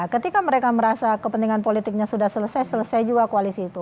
ketika mereka merasa kepentingan politiknya sudah selesai selesai juga koalisi itu